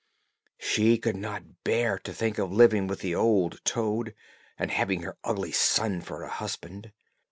She could not bear to think of living with the old toad, and having her ugly son for a husband.